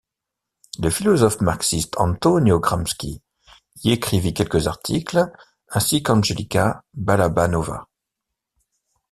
Le philosophe marxiste Antonio Gramsci y écrivit quelques articles, ainsi qu'Angelica Balabanova.